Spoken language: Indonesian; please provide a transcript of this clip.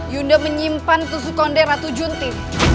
yunda menyimpan tusuk kondek ratu junti